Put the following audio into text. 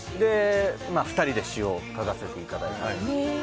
２人で詞を書かせていただいて。